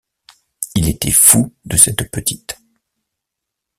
Il était fou de cette petite.